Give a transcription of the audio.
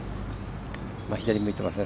左に向いてますね。